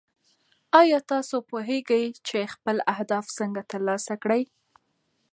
ایا تاسو پوهېږئ چې خپل اهداف څنګه ترلاسه کړئ؟